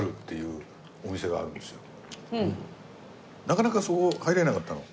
なかなかそこ入れなかったの。